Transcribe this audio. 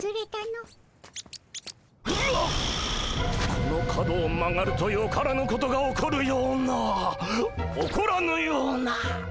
この角を曲がるとよからぬことが起こるような起こらぬような。